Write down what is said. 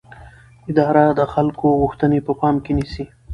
اداره د خلکو غوښتنې په پام کې نیسي.